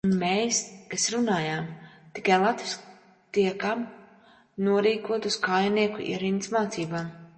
Mēs, kas runājam tikai latviski, tiekam norīkoti uz kājnieku ierindas mācību.